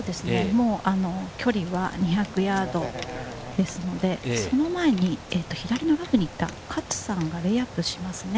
距離は２００ヤードですので、その前に左のラフに行った勝さんがレイアップしますね。